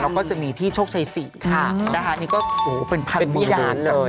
แล้วก็จะมีที่โชคชัยศรีค่ะนะคะนี่ก็เป็นพันวิหารเลย